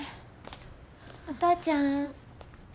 お父ちゃん？え。